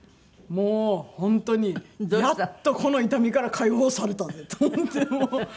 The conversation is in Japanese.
もう本当にやっとこの痛みから解放されたぜと思ってもう。